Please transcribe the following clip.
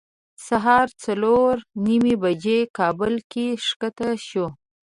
سهار څلور نیمې بجې کابل کې ښکته شوو.